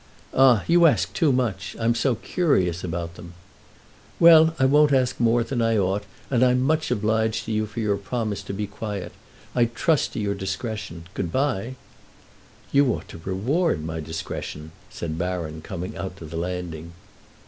"Ah, you ask too much—I'm so curious about them!" "Well, I won't ask more than I ought, and I'm much obliged to you for your promise to be quiet. I trust to your discretion. Good by." "You ought to reward my discretion," said Baron, coming out to the landing.